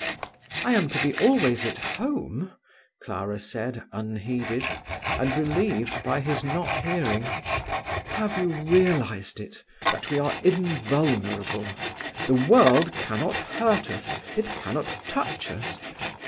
"I am to be always at home?" Clara said, unheeded, and relieved by his not hearing. "Have you realized it? that we are invulnerable! The world cannot hurt us: it cannot touch us.